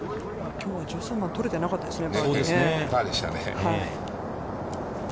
きょうは１３番、取れてなかったですね、パーでしたね。